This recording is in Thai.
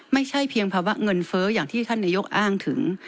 ไม่ใช่เพียงภาวะเงินเฟ้ออย่างที่ท่านนายกอ้างถึง